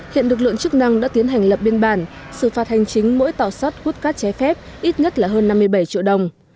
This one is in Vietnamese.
hiện lực lượng chức năng đã tiến hành lập biên bản xử phạt hành chính mỗi tàu sắt hút cát trái phép ít nhất là hơn năm mươi bảy triệu đồng